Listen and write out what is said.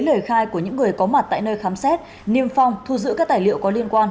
lời khai của những người có mặt tại nơi khám xét niêm phong thu giữ các tài liệu có liên quan